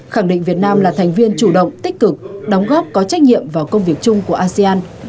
khẳng định việt nam là thành viên chủ động tích cực đóng góp có trách nhiệm vào công việc chung của asean